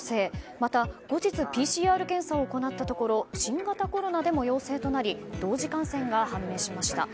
また、後日ＰＣＲ検査を行ったところ新型コロナでも陽性となり同時感染が判明しました。